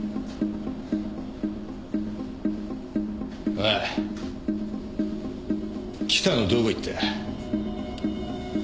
おい北野どこ行った？